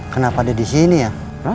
kenapa ada disini ya